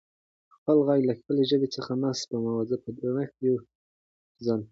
خپل غږ له خپلې ژبې څخه مه سپموٸ په درنښت ډیوه افضل🙏